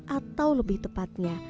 atau lebih tepatnya